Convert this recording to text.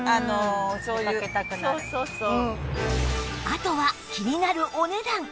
あとは気になるお値段